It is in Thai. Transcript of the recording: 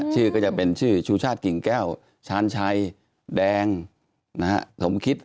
ชื่อก็จะเป็นชื่อชูชาติกิ่งแก้วชาญชัยแดงสมคิด